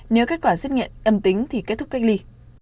nếu kết quả xét nghiệm âm tính thì kết thúc cách ly